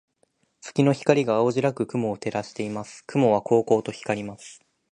月の光が青白く雲を照らしています。雲はこうこうと光ります。